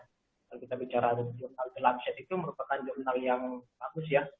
kalau kita bicara di jurnal the lancet itu merupakan jurnal yang bagus ya